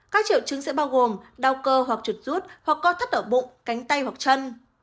các triệu chứng sẽ bao gồm đau cơ hoặc chuột rút hoặc có thất ở bụng cánh tay hoặc chân